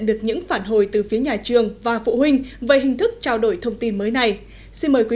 được những phản hồi từ phía nhà trường và phụ huynh về hình thức trao đổi thông tin mới này xin mời quý